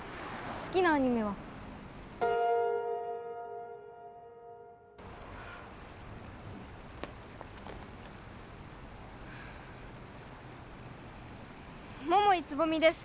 好きなアニメは桃井蕾未です